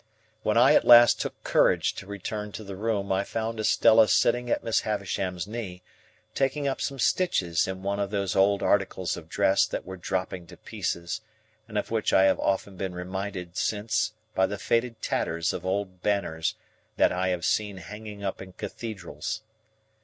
When I at last took courage to return to the room, I found Estella sitting at Miss Havisham's knee, taking up some stitches in one of those old articles of dress that were dropping to pieces, and of which I have often been reminded since by the faded tatters of old banners that I have seen hanging up in cathedrals.